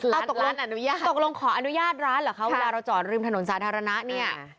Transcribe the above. เอาตกร้านตกลงขออนุญาตร้านเหรอคะเวลาเราจอดริมถนนสาธารณะเนี่ย